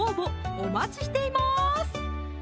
お待ちしています